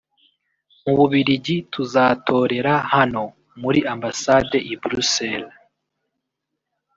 Mu Bubiligi tuzatorera hano muri Ambasade i Bruxelles